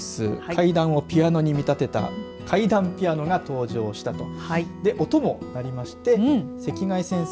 階段をピアノに見立てた階段ピアノが登場したと。